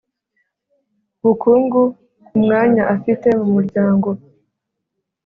bukungu ku mwanya afite mu muryango